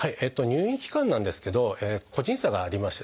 入院期間なんですけど個人差があります。